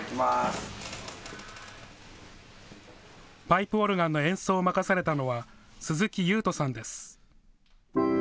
パイプオルガンの演奏を任されたのは鈴木優翔さんです。